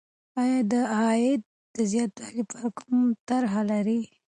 آیا د عاید د زیاتوالي لپاره کومه طرحه لرې؟